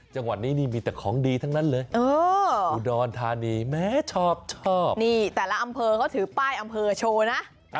จังหวัดนี้นี่มีแต่ของดีทั้งนั้นเลยอุดรธานีแม้ชอบชอบนี่แต่ละอำเภอเขาถือป้ายอำเภอโชว์นะ